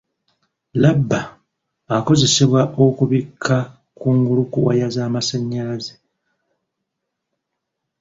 Labba akozesebwa okubikka kungulu kwa waya z'amasanyalaze